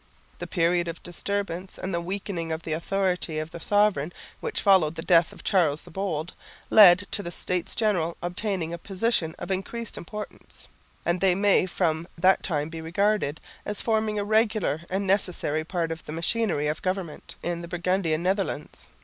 The period of disturbance and the weakening of the authority of the sovereign, which followed the death of Charles the Bold, led to the States General obtaining a position of increased importance; and they may from that time be regarded as forming a regular and necessary part of the machinery of government in the Burgundian Netherlands.